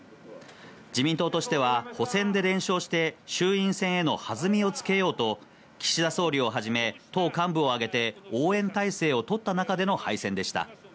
自民党としては補選で連勝して衆院選への弾みをつけようと岸田総理をはじめ、党幹部をあげて応援態勢を取った中での敗戦でした。